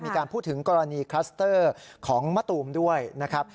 มีการพูดถึงกรณีคลัสเตอร์ของมะตูมด้วยนะครับ